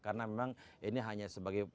karena memang ini hanya sebagai